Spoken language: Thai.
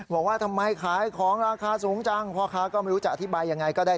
บอกว่าทำไมขายของราคาสูงจังพ่อค้าก็ไม่รู้จะอธิบายยังไงก็ได้